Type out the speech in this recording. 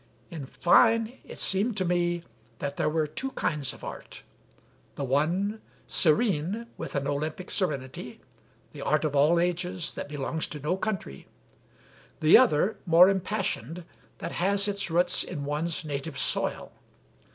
In fine, it seemed to me that there were two kinds of Art: the one, serene with an Olympic serenity, the Art of all ages that belongs to no country; the other, more impassioned, that has its roots in one's native soil....